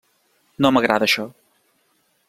No m'agrada això.